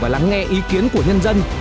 và lắng nghe ý kiến của nhân dân